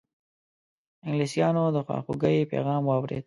انګلیسیانو د خواخوږی پیغام واورېد.